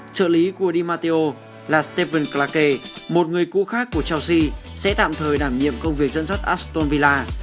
trợ lý của di matteo là steven klaake một người cũ khác của chelsea sẽ tạm thời đảm nhiệm công việc dẫn dắt aston villa